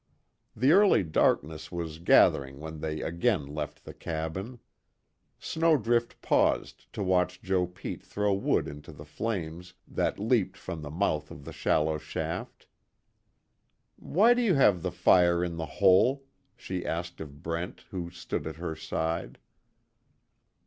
The early darkness was gathering when they again left the cabin. Snowdrift paused to watch Joe Pete throw wood into the flames that leaped from the mouth of the shallow shaft: "Why do you have the fire in the hole?" she asked of Brent, who stood at her side.